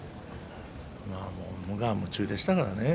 無我夢中でしたからね